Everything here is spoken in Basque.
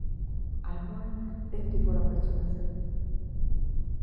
Alboan ehundik gora pertsona zeuden.